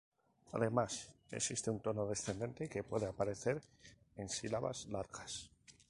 Además, existe un tono descendente que puede aparecer en sílabas largas.